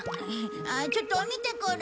ちょっと見てくる。